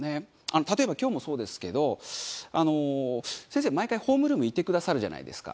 例えば今日もそうですけどあの先生毎回ホームルームいてくださるじゃないですか。